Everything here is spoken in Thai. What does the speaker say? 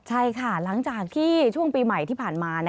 ใช่ค่ะหลังจากที่ช่วงปีใหม่ที่ผ่านมา